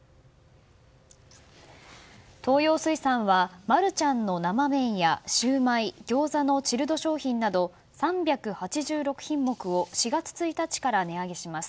東洋水産はマルちゃんの生麺やシューマイ、ギョーザのチルド商品など３８５品目を４月１日から値上げします。